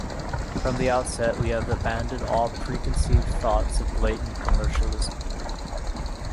From the outset we have abandoned all preconceived thoughts of blatant commercialism.